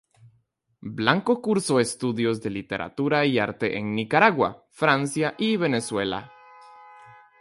Blanco cursó estudios de Literatura y Arte en Nicaragua, Francia y Venezuela.